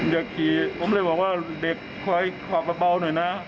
อยากขี่ผมเลยบอกว่าเด็กคอยขอบบ่าหน่อยนะ